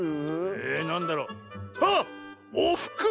なんだろう？あっおふくろ！